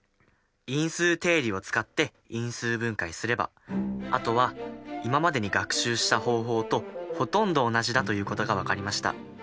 因数定理を使って因数分解すればあとは今までに学習した方法とほとんど同じだということが分かりました。